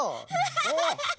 ハハハハハ！